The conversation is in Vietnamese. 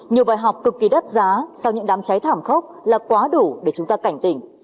nhiều bài học cực kỳ đắt giá sau những đám cháy thảm khốc là quá đủ để chúng ta cảnh tỉnh